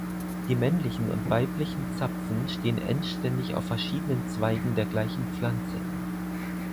Die männlichen und weiblichen Zapfen stehen endständig auf verschiedenen Zweigen der gleichen Pflanze.